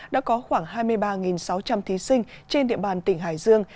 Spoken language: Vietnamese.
đã có khoảng hai mươi ba sáu trăm linh thí sinh trên địa bàn tỉnh hải dương